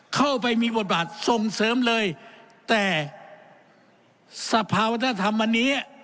เข้าไปมีบทบาทส่งเสริมเลยแต่สภาวัฒนธรรมวันนี้